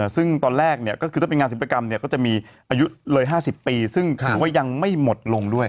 ซึ่งตอนแรกก็คือถ้าเป็นงานศิลปกรรมก็จะมีอายุเลย๕๐ปีซึ่งถือว่ายังไม่หมดลงด้วย